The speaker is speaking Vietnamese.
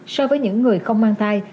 so với những người không mang thai